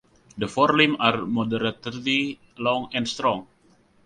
The forelimbs are moderately long and strong.